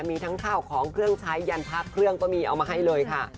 มีทั้งข้าวของเครื่องใช้ยันพระเครื่องก็มีเอามาให้เลยค่ะ